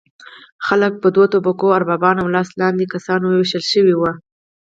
خلک په دوه طبقو اربابان او لاس لاندې کسان ویشل شوي وو.